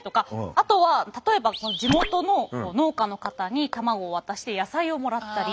あとは例えば地元の農家の方に卵を渡して野菜をもらったり。